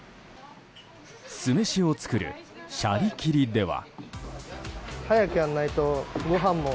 酢飯を作るシャリ切りでは。